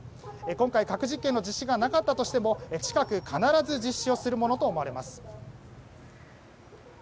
今回、核実験の実施がなかったとしても、近く必ず実施をするものと思われます。